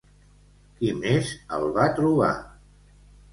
Qui més el va trobar?